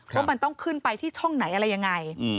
ว่ามันต้องขึ้นไปที่ช่องไหนอะไรยังไง